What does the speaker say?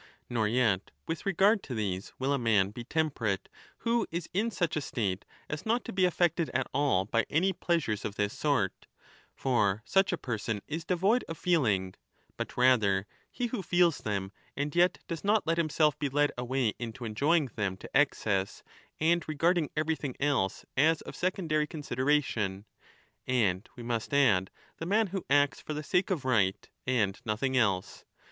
10 Nor yet with regard to these will a man be temperate who is in such a state as not to be affected at all by any pleasures of this sort (for such a person is devoid of feel ing), but rather he who feels them and yet does not let himself be led away into enjoying them to excess and regarding everything else as of secondary consideration; and, we must add, the man who acts for the sake of right 15 and nothing else.